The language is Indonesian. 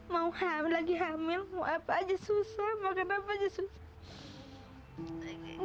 mau hamil lagi hamil mau apa aja susah makan apa aja susah